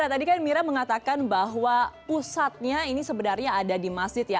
tadi kan mira mengatakan bahwa pusatnya ini sebenarnya ada di masjid ya